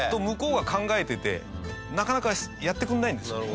向こうが考えててなかなかやってくれないんですよ。